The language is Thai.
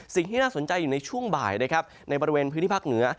สิ่งที่น่าสนใจอยู่ในช่วงบ่ายนะครับในบริเวณพื้นที่ภาคเหนือ